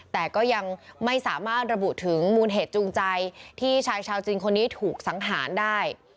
แต่ก็ยังไม่สามารถระบุถึงมูลเหตุจูงใจที่ชายชาวจีนคนนี้ถูกสังหารได้